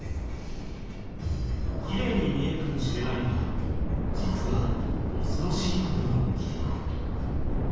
きれいに見えるかもしれないが実はおそろしいことが起きている。